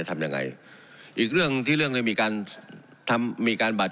ผมซึ่งเห็นใจเขาไง